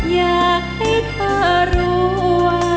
อยากให้เธอรู้ว่า